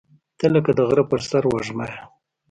• ته لکه د غره پر سر وږمه یې.